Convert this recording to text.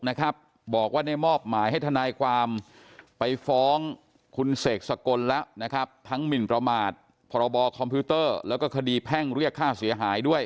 นะครับบอกว่าได้มอบหมายให้ทนายความไปฟ้องคุณเสกสกลแล้วนะครับทั้งหมินประมาทพรบคอมพิวเตอร์แล้วก็คดีแพ่งเรียกค่าเสียหายด้วย